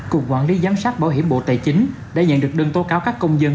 cục quản lý giám sát bảo hiểm bộ tài chính đã nhận được đơn tố cáo các công dân